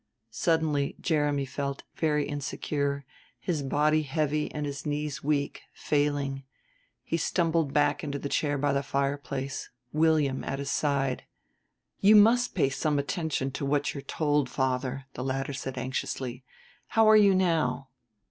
Suddenly Jeremy felt very insecure, his body heavy and knees weak, failing. He stumbled back into the chair by the fireplace, William at his side. "You must pay some attention to what you're told, father," the latter said anxiously. "How are you now?"